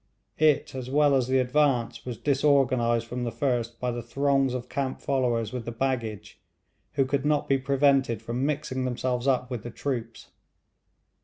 It as well as the advance was disorganised from the first by the throngs of camp followers with the baggage, who could not be prevented from mixing themselves up with the troops.